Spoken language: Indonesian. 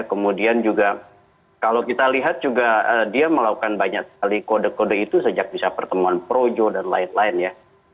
kemudian juga kalau kita lihat juga dia melakukan banyak sekali kode kode itu sejak bisa pertemuan projo dan lain lain ya